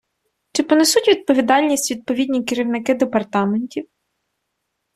Чи понесуть відповідальність відповідні керівники департаментів?